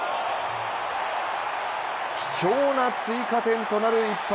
貴重な追加点となる一発。